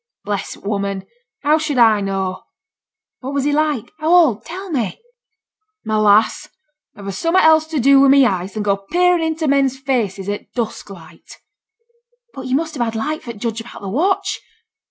'Bless t' woman! how should I know?' 'What was he like? how old? tell me.' 'My lass, a've summut else to do wi' my eyes than go peering into men's faces i' t' dusk light.' 'But yo' must have had light for t' judge about the watch.'